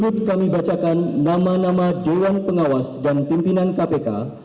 berikut kami bacakan nama nama dewan pengawas dan pimpinan kpk